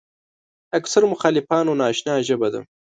اکثرو مخالفانو ناآشنا ژبه ده.